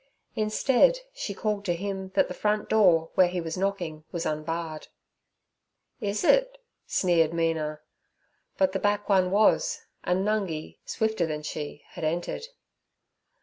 Instead she called to him that the front door where he was knocking was unbarred. 'Is it?' sneered Mina. But the back one was, and Nungi, swifter than she, had entered.